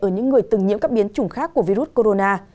ở những người từng nhiễm các biến chủng khác của virus corona